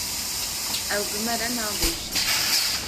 Ew bi me re nabêjin.